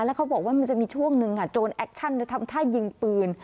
แล้วเขาบอกว่ามันจะมีช่วงหนึ่งโจรแอคชั่นทำท่ายิงปืน